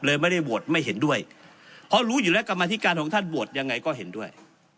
ไม่ได้โหวตไม่เห็นด้วยเพราะรู้อยู่แล้วกรรมธิการของท่านโหวตยังไงก็เห็นด้วย